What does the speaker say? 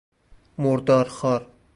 مردارخوار